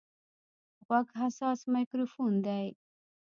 غوږ حساس مایکروفون دی.